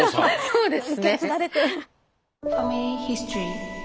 そうですね。